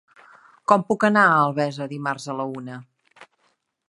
Com puc anar a Albesa dimarts a la una?